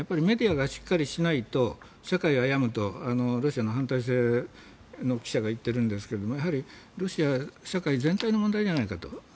メディアがしっかりしないと社会は病むとロシアの反体制派の記者が言ってるんですけどやはりロシア社会全体の問題じゃないかと。